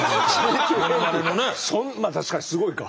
まあ確かにすごいか。